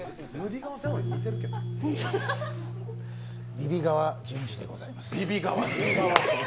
ビビ川淳二でございます。